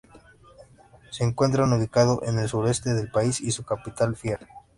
Se encuentra ubicado en el suroeste del país y su capital es Fier.